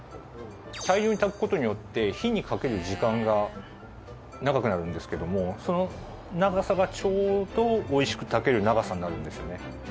大量に炊く事によって火にかける時間が長くなるんですけどもその長さがちょうど美味しく炊ける長さになるんですよね。